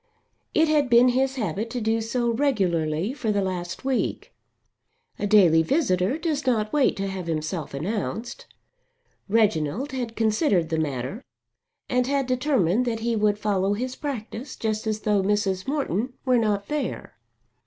It had been his habit to do so regularly for the last week. A daily visitor does not wait to have himself announced. Reginald had considered the matter and had determined that he would follow his practice just as though Mrs. Morton were not there.